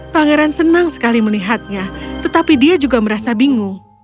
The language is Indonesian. pangeran senang sekali melihatnya tetapi dia juga merasa bingung